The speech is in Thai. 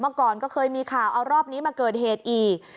ก่อนก็เคยมีข่าวเอารอบนี้มาเกิดเหตุอีก